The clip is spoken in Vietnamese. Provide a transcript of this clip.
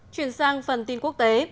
chuyển sang phần tin quốc tế